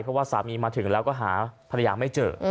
เพราะว่าสามีมาถึงแล้วก็หาภรรยาไม่เจอ